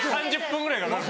３０分ぐらいかかる。